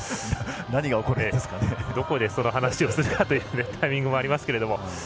どこでその話をするかというタイミングもありますけども。